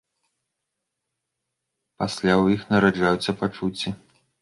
Пасля ў іх нараджаюцца пачуцці.